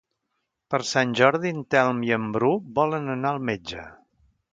Per Sant Jordi en Telm i en Bru volen anar al metge.